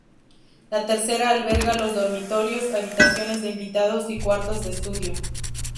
La tercera alberga los dormitorios, habitaciones de invitados y cuartos de estudio.